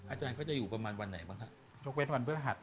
อาจารย์ก็จะอยู่ประมาณวันไหนบ้างครับยกเว้นวันเบื้อหัด